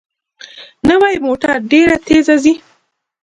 نوې موټر ډېره تېزه ځي